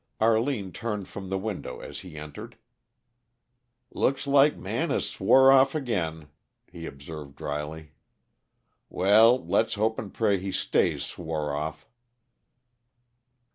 Arline turned from the window as he entered. "Looks like Man has swore off ag'in," she observed dryly. "Well, let's hope 'n' pray he stays swore off."